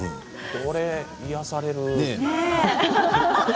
これ、癒やされる。